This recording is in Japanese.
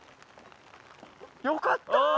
よかった！